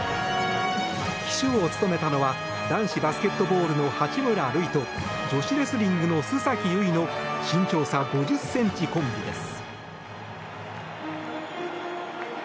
旗手を務めたのは男子バスケットボールの八村塁と女子レスリングの須崎優衣の身長差５０ｃｍコンビです。